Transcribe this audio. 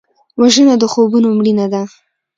وژنه د خوبونو مړینه ده